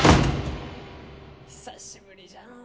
久しぶりじゃのう。